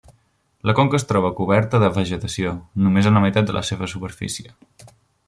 La conca es troba coberta de vegetació només en la meitat de la seva superfície.